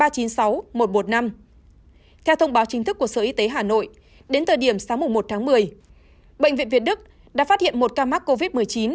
theo thông báo chính thức của sở y tế hà nội đến thời điểm sáng một tháng một mươi bệnh viện việt đức đã phát hiện một ca mắc covid một mươi chín